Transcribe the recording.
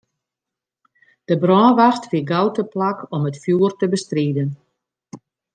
De brânwacht wie gau teplak om it fjoer te bestriden.